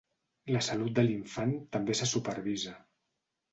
La salut de l'infant també se supervisa.